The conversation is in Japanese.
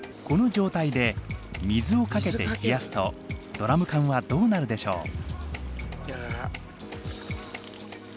この状態で水をかけて冷やすとドラム缶はどうなるでしょう？